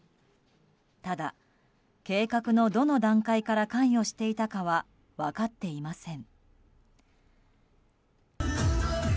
ただ、計画のどの段階から関与していたかは分かっていません。